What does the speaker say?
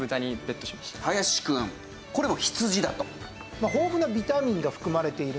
これも羊だと？